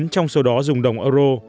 một mươi chín trong số đó dùng đồng tiền